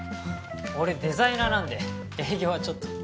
俺デザイナーなんで営業はちょっと。